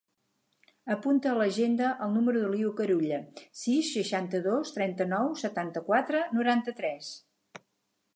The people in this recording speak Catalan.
Apunta a l'agenda el número de l'Iu Carulla: sis, seixanta-dos, trenta-nou, setanta-quatre, noranta-tres.